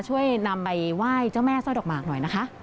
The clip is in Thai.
ช่วยนำไปไหว้เจ้าแม่สร้อยดอกหมากหน่อยนะคะ